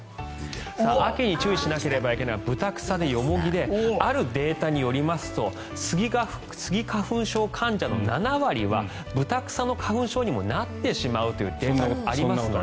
秋に注意しなければいけないブタクサ、ヨモギであるデータによりますとスギ花粉症患者の７割はブタクサの花粉症にもなってしまうというデータがありますので。